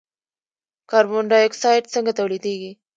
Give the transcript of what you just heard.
کاربن ډای اکساید څنګه تولیدیږي.